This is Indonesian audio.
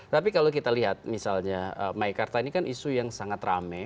tapi kalau kita lihat misalnya meikarta ini kan isu yang sangat rame